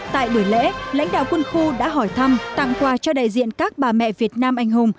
tại buổi lễ lãnh đạo quân khu đã hỏi thăm tặng quà cho đại diện các bà mẹ việt nam anh hùng